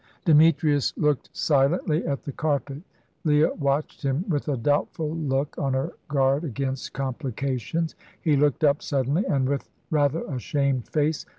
Demetrius looked silently at the carpet. Leah watched him with a doubtful look, on her guard against complications. He looked up suddenly, and with rather a shamed face.